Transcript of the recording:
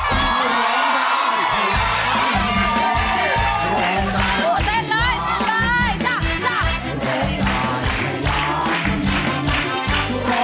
โหเต้นเลยได้จ้ะจ้ะ